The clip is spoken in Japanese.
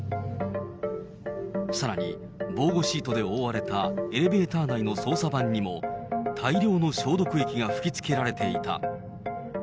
さらに、防護シートで覆われたエレベーター内の操作盤にも、大量の消毒液が噴きつけられていた。